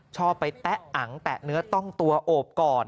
ชอบไปแตะอังแตะเนื้อต้องตัวโอบกอด